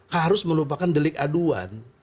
harus merupakan delik aduan